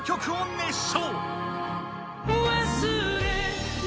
・熱唱！